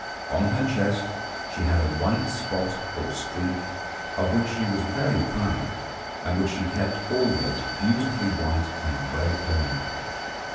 On her chest she had a white spot or streak, of which she was very proud, and which she kept always beautifully white and well combed.